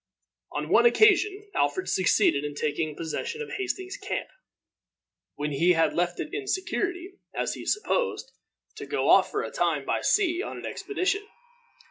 On one occasion Alfred succeeded in taking possession of Hastings's camp, when he had left it in security, as he supposed, to go off for a time by sea on an expedition.